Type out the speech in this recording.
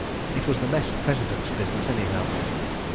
It was the Mess President's business, anyhow.